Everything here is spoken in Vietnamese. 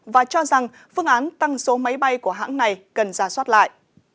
và cho rằng phương án tăng số máy bay của hãng này cần ra soát lại